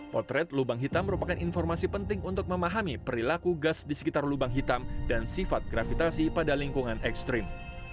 potret lubang hitam merupakan informasi penting untuk memahami perilaku gas di sekitar lubang hitam dan sifat gravitasi pada lingkungan ekstrim